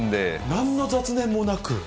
なんの雑念もなく？